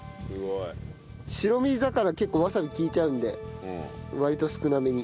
白身魚結構わさび利いちゃうんで割と少なめに。